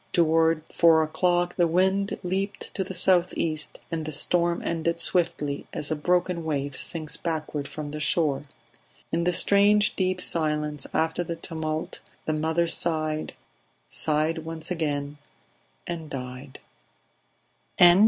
Toward four o'clock the wind leaped to the south east, and the storm ended swiftly as a broken wave sinks backward from the shore; in the strange deep silence after the tumult the mother sighed, sighed once again, and died.